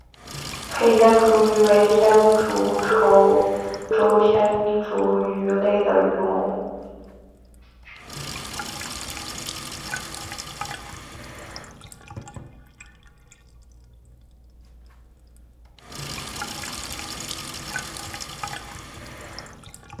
黑天竺鱼为天竺鲷科天竺鱼属的鱼类。